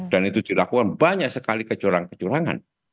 dan itu dilakukan banyak sekali kecurangan kecurangan